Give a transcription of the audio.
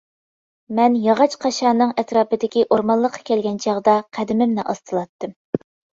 مەن ياغاچ قاشانىڭ ئەتراپىدىكى ئورمانلىققا كەلگەن چاغدا قەدىمىمنى ئاستىلاتتىم.